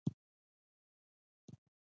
ایا شیدې څښئ؟